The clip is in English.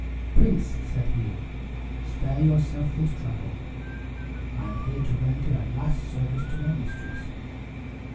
"Prince," said he, "spare yourself this trouble. I am here to render a last service to my mistress.